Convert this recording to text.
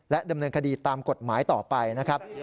ดำเนินคดีตามกฎหมายต่อไปนะครับ